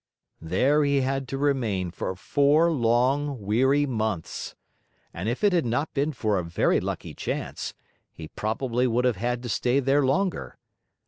There he had to remain for four long, weary months. And if it had not been for a very lucky chance, he probably would have had to stay there longer.